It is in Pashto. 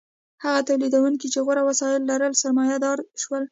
هغو تولیدونکو چې غوره وسایل لرل سرمایه دار شول.